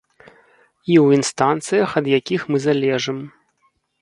І ў інстанцыях, ад якіх мы залежым.